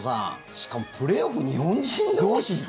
しかも、プレーオフ日本人同士って。